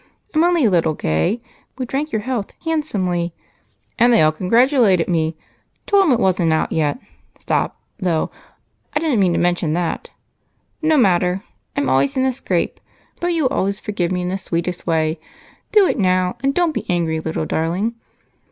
I'm only a little gay we drank your health handsomely, and they all congratulated me. Told 'em it wasn't out yet. Stop, though I didn't mean to mention that. No matter I'm always in a scrape, but you always forgive me in the sweetest way. Do it now, and don't be angry, little darling."